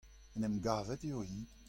en em gavet eo-hi.